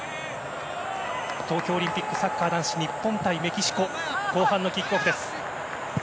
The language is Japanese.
東京オリンピックサッカー男子、日本対メキシコ後半のキックオフです。